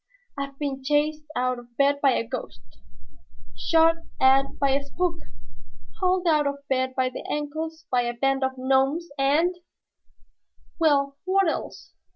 I've been chased out of bed by a ghost, shot at by a spook, hauled out of bed by the ankles by a band of gnomes, and " "Well, what else?"